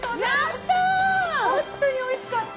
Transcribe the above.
ほんとにおいしかった。